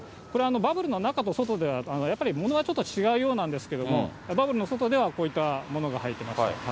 これ、バブルの中と外では、やっぱり物はちょっと違うようなんですけども、バブルの外ではこういったものが入ってました。